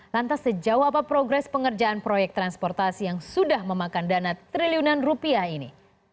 lantas sejauh apa progres pengerjaan proyek transportasi yang sudah memakan dana triliunan rupiah ini